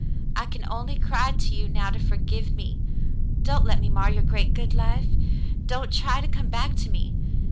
I can only cry to you now to forgive me. Don't let me mar your great, good life. Don't try to come back to me.